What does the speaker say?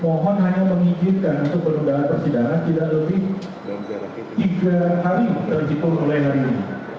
mohon hanya mengizinkan untuk penundaan persidangan tidak lebih tiga hari terhitung mulai hari ini